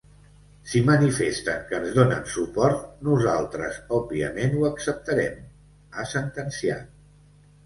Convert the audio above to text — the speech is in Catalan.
Si manifesten que ens donen suport, nosaltres òbviament ho acceptarem, ha sentenciat.